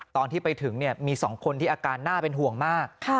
ตอนที่ไปถึงเนี่ยมีสองคนที่อาการหน้าเป็นห่วงมาก